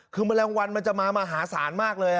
คือมะแรงวันมันจะมามหาศาลมากเลยอ่ะ